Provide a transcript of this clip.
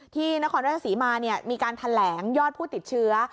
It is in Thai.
นครราชศรีมามีการแถลงยอดผู้ติดเชื้อ